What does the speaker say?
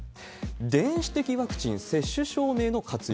電子的ワクチン接種証明の活用。